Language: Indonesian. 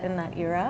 pada era itu